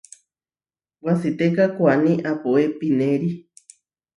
Wasitéka koaní apoé pinéri.